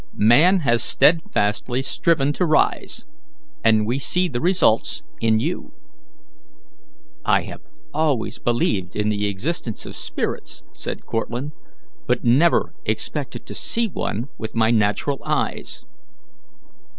"Man has steadfastly striven to rise, and we see the results in you." "I have always believed in the existence of spirits," said Cortlandt, "but never expected to see one with my natural eyes."